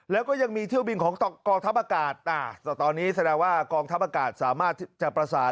แล้วก็ยังมีเที่ยวบินของกองทัพอากาศแต่ตอนนี้แสดงว่ากองทัพอากาศสามารถที่จะประสาน